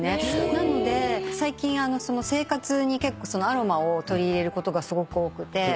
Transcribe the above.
なので最近生活に結構アロマを取り入れることがすごく多くて。